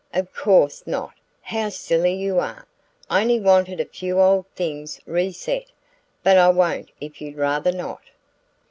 "Of course not how silly you are! I only wanted a few old things reset. But I won't if you'd rather not."